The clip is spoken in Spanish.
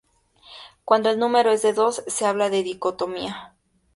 Cuando el número es de dos, se habla de dicotomía.